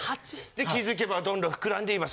で気付けばどんどん膨らんでいま３５０。